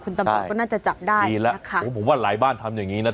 คุณตำรวจก็น่าจะจับได้ดีแล้วค่ะโอ้ผมว่าหลายบ้านทำอย่างงี้นะ